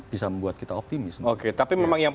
bisa membuat kita optimis oke tapi memang yang